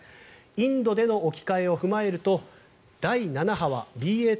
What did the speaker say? インドでの置き換えを踏まえると第７波はＢＡ